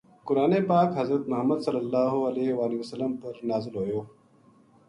قرآن پاک حضر محمد ﷺ اپر نازل ہویو۔